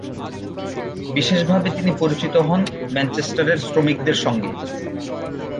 বিশেষভাবে তিনি পরিচিত হন ম্যানচেস্টারের শ্রমিকদের সংগে।